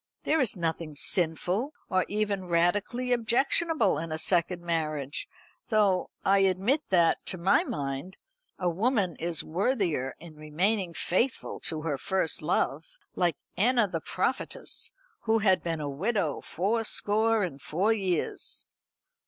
There is nothing sinful, or even radically objectionable in a second marriage; though I admit that, to my mind, a woman is worthier in remaining faithful to her first love; like Anna the prophetess, who had been a widow fourscore and four years.